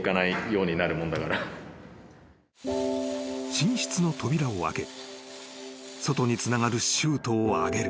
［寝室の扉を開け外につながるシュートを上げる］